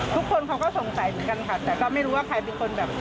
ทุกคนเขาก็สงสัยเหมือนกันค่ะแต่ก็ไม่รู้ว่าใครเป็นคนแบบ